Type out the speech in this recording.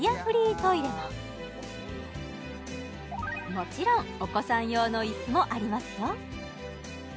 もちろんお子さん用の椅子もありますよ